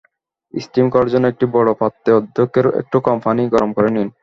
Steam করার জন্য একটি বড় পাত্রে অর্ধেকের একটু কম পানি গরম করে নিন।